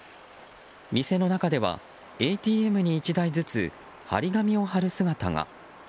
店の中ではＡＴＭに１台ずつ貼り紙を貼る姿が。